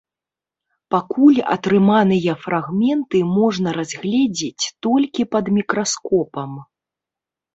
Пакуль атрыманыя фрагменты можна разгледзець толькі пад мікраскопам.